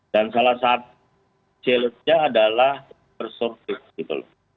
dan salah satu celestinya adalah resursif